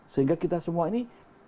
sehingga kita semua ini